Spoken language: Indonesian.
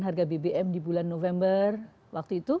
harga bbm di bulan november waktu itu